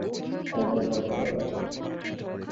এতোটা ভালো না।